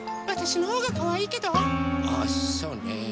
あっそうね。